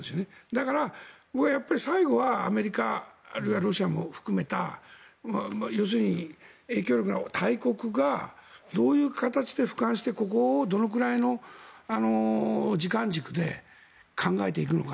だから僕は最後はアメリカあるいはロシアも含めた要するに影響力のある大国がどういう形で俯瞰してここをどのくらいの時間軸で考えていくのか。